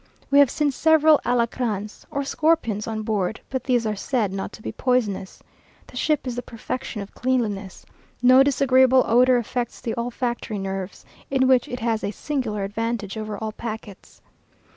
We have seen several alacrans or scorpions on board, but these are said not to be poisonous. The ship is the perfection of cleanness. No disagreeable odour affects the olfactory nerves, in which it has a singular advantage over all packets.